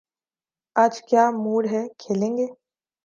آج کیا موڈ ہے، کھیلیں گے؟